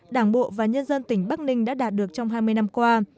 đảng bộ và nhân dân tỉnh bắc ninh đã đạt được trong hai mươi năm qua